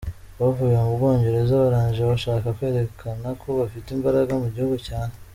Bavuye mu Bwongereza barangije bashaka kwerekana ko bafite imbaraga mu gihugu cyane.